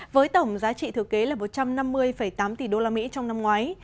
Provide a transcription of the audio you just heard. với tổng giá trị thừa kế là một trăm năm mươi tám tỷ usd trong năm ngoái